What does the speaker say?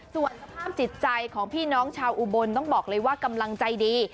ส่วนสภาพจิตใจของพี่น้องชาวอุบลต้องบอกเลยว่ากำลังใจดี